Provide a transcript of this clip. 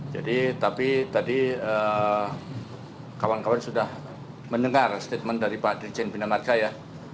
jadi tapi tadi kawan kawan sudah mendengar statement dari pak dirjen binamarga ya